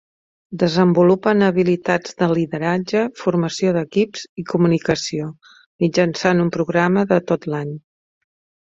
Desenvolupen habilitats de lideratge, formació d'equips i comunicació mitjançant un programa de tot l'any.